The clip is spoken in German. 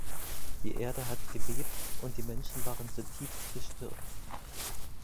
Die Erde hat gebebt und die Menschen waren zutiefst bestürzt.